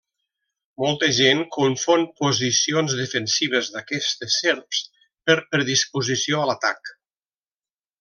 Molta gent confon posicions defensives d'aquestes serps per predisposició a l'atac.